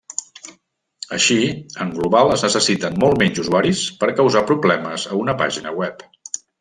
Així, en global es necessiten molts menys usuaris per causar problemes a una pàgina web.